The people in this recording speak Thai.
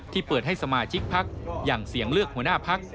เปิดให้สมาชิกพักอย่างเสียงเลือกหัวหน้าพัก